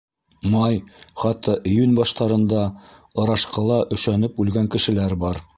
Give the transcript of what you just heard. Май, хатта июнь баштарында ырашҡыла өшәнеп үлгән кешеләр бар.